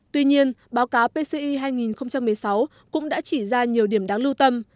tuy nhiên báo cáo pci hai nghìn một mươi sáu cũng đã chỉ ra nhiều điểm đáng lưu tâm